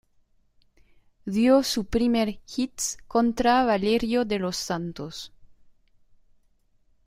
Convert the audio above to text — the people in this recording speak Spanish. Dio su primer hit contra Valerio de los Santos.